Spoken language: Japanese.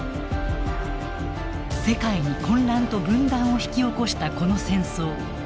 世界に混乱と分断を引き起こしたこの戦争。